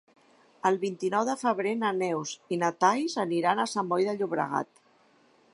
El vint-i-nou de febrer na Neus i na Thaís aniran a Sant Boi de Llobregat.